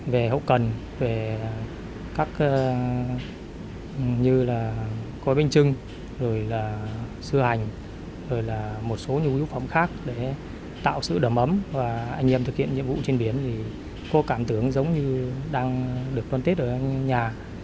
về hậu cần về các như là có binh chưng rồi là sư hành rồi là một số nhu yếu phòng khác để tạo sự đầm ấm và anh em thực hiện nhiệm vụ trên biển thì có cảm tưởng giống như đang được đón tết ở nhà